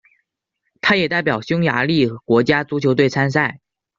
他也代表匈牙利国家足球队参赛。